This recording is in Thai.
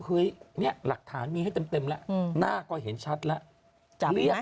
เฮ้ยเนี่ยหลักฐานมีให้เต็มแล้วหน้าก็เห็นชัดแล้ว